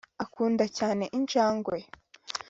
Akunda cyane injangwe